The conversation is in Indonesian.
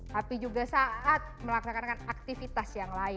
tapi juga saat melaksanakan aktivitas